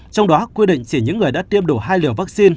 trong đó quy định chỉ những người đã tiêm đủ hai liều vaccine